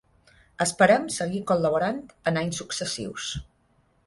Esperem seguir col·laborant en anys successius.